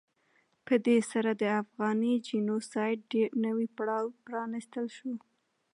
په دې سره د افغاني جینو سایډ نوی پړاو پرانستل شو.